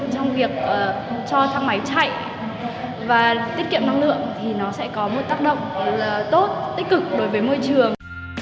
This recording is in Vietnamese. trong việc cho thang máy chạy và tiết kiệm năng lượng thì nó sẽ có một tác động tốt tích cực đối với môi trường